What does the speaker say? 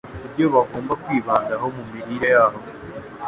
ibyo bagomba kwibandaho mu mirire yabo